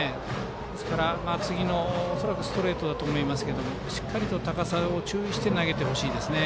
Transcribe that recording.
ですから次の、おそらくストレートだと思いますがしっかりと高さに注して投げてほしいです。